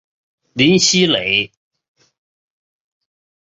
林熙蕾。